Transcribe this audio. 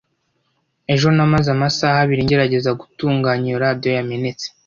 ejo namaze amasaha abiri ngerageza gutunganya iyo radio yamenetse